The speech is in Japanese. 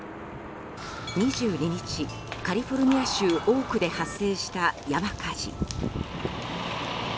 ２２日、カリフォルニア州オークで発生した山火事。